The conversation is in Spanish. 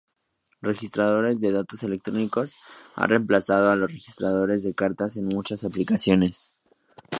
Registradores de datos electrónicos han reemplazado a los registradores de carta en muchas aplicaciones.